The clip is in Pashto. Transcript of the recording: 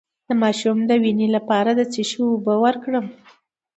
د ماشوم د وینې لپاره د څه شي اوبه ورکړم؟